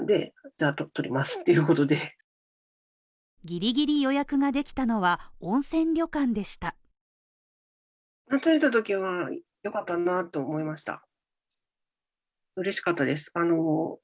ギリギリ予約ができたのは温泉旅館でした。